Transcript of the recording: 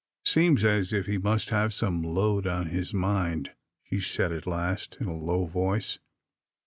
" Seems as if he must have some load on his mind," she said at last, in a low voice.